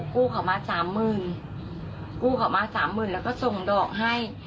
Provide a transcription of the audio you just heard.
กู้เขามาสามหมื่นกู้เขามาสามหมื่นแล้วก็ส่งดอกให้